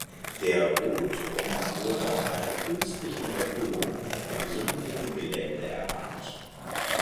Der Wohnturm wurde auf einer künstlichen Erhöhung im sumpfigen Gelände erbaut.